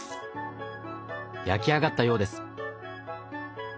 焼き上がったようです。